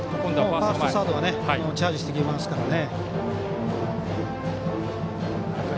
ファースト、サードはチャージしてきてますからね。